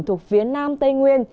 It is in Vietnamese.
thuộc phía nam tây nguyên